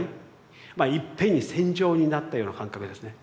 まあいっぺんに戦場になったような感覚ですね。